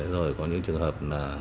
rồi có những trường hợp là